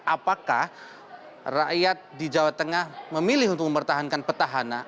apakah rakyat di jawa tengah memilih untuk mempertahankan petahana